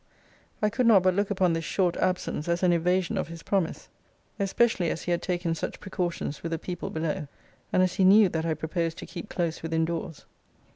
I could not but look upon this short absence as an evasion of his promise; especially as he had taken such precautions with the people below; and as he knew that I proposed to keep close within doors.